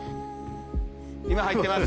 今入ってます。